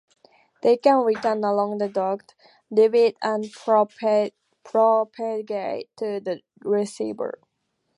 They can return along the duct, leave it, and propagate to the receiver.